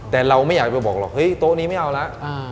แต่เราไม่อยากไปบอกหรอกเฮ้ยโต๊ะนี้ไม่เอาแล้ว